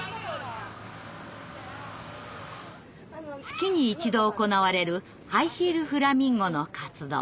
月に一度行われる「ハイヒール・フラミンゴ」の活動。